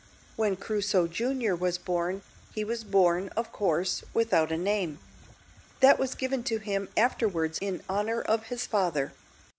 When Crusoe, junior, was born, he was born, of course, without a name. That was given to him afterwards in honour of his father.